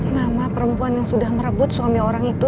nama perempuan yang sudah merebut suami orang itu